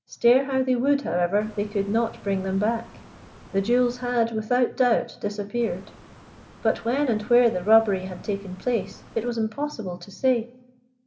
Stare how they would, however, they could not bring them back. The jewels had, without doubt, disappeared, but when and where the robbery had taken place it was impossible to say.